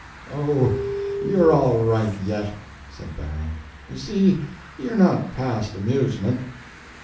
jpg (17K) "Oh, you're all right, yet," said Barrow. "You see you're not past amusement."